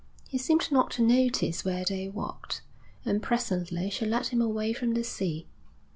He seemed not to notice where they walked, and presently she led him away from the sea.